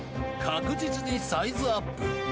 確実にサイズアップ